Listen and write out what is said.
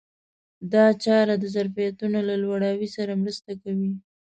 دا چاره د ظرفیتونو له لوړاوي سره مرسته کوي.